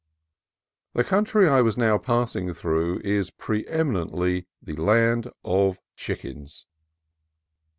The country I was now passing through is preemi nently the land of chickens.